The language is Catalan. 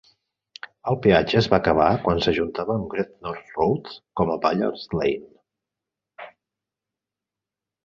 El peatge es va acabar quan s'ajuntava amb la Great North Road, com a Ballards Lane.